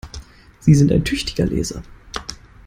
Sie sind ein tüchtiger Leser!